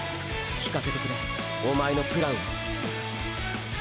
聞かせてくれおまえのプランを。